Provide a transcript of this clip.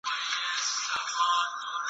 له غلو سره ملګری نګهبان په باور نه دی .